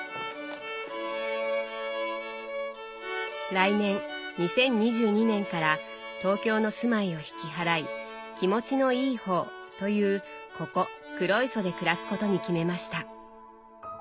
来年２０２２年から東京の住まいを引き払い「気持ちのいい方」というここ黒磯で暮らすことに決めました。